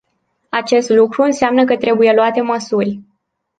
Acest lucru înseamnă că trebuie luate măsuri.